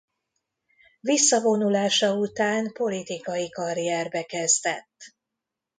Visszavonulása után politikai karrierbe kezdett.